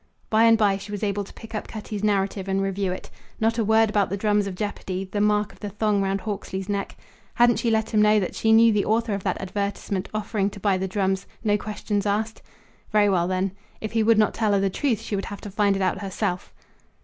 By and by she was able to pick up Cutty's narrative and review it. Not a word about the drums of jeopardy, the mark of the thong round Hawksley's neck. Hadn't she let him know that she knew the author of that advertisement offering to buy the drums, no questions asked? Very well, then; if he would not tell her the truth she would have to find it out herself.